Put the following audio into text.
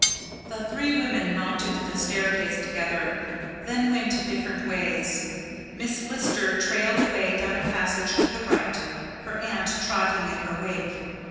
The three women mounted the staircase together, then went different ways. Miss Lister trailed away down a passage to the right, her aunt trotting in her wake.